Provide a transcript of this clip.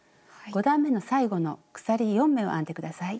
５段めの最後の鎖４目を編んで下さい。